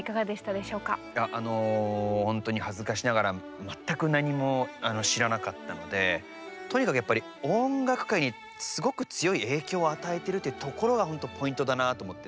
あの本当に恥ずかしながら全く何も知らなかったのでとにかくやっぱり音楽界にすごく強い影響を与えてるっていうところが本当ポイントだなと思って。